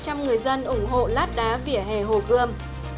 hơn chín mươi ba người dân ủng hộ lát đá vỉa hề hồ gươm